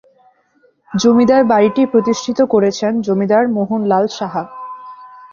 জমিদার বাড়িটি প্রতিষ্ঠিত করেন জমিদার মোহন লাল সাহা।